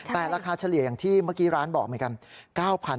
แต่ราคาเฉลี่ยอย่างที่เมื่อกี้ร้านบอกเหมือนกัน